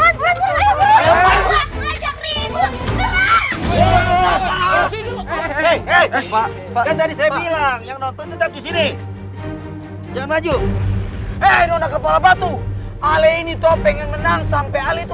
di sini jangan maju eh nona kepala batu ala ini topeng yang menang sampai alitu